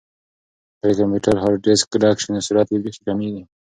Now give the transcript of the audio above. که د کمپیوټر هارډیسک ډک شي نو سرعت یې بیخي کمیږي.